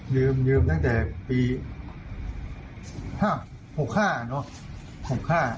ยืมลืมตั้งแต่ปีห้าหกห้าเนอะหกห้า